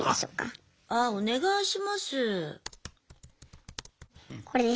あお願いします。